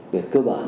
về cơ bản